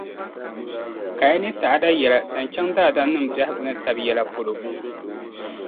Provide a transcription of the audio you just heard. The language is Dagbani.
kaya ni ta'ada yɛla zaŋ chaŋ daadamnim’ biɛhigu ni tab’ yɛla polo.